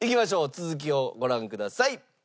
続きをご覧ください。